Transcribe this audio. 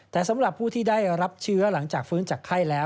แต่สำหรับผู้ที่ได้รับเชื้อหลังจากฟื้นจากไข้แล้ว